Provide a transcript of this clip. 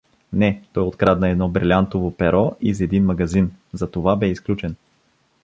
Не, той открадна едно брилянтово перо из един магазин, затова бе изключен.